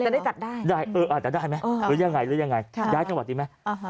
จะได้จัดได้อาจจะได้ไหมหรือยังไงย้ายจังหวัดดีไหม